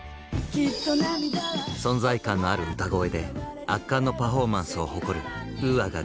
存在感のある歌声で圧巻のパフォーマンスを誇るＵＡが激レア出演。